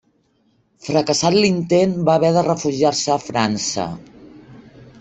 Fracassat l'intent, va haver de refugiar-se a França.